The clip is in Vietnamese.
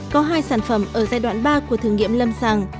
có hai sản phẩm ở giai đoạn ba của thử nghiệm lâm sàng